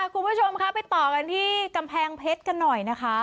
คุณผู้ชมค่ะไปต่อกันที่กำแพงเพชรกันหน่อยนะคะ